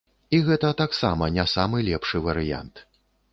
І гэта таксама не самы лепшы варыянт.